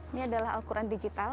ini adalah alquran digital